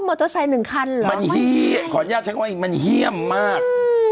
เมื่อมอเตอร์ไซค์หนึ่งคันเหรอมันเฮี้ยขออนุญาตชั้นไว้มันเฮี้ยมมาก